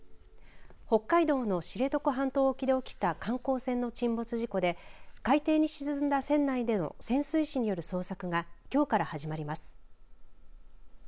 北海道の知床半島沖で起きた観光船の沈没事故で海底に沈んだ船内での潜水士による捜索がきょうから始まります。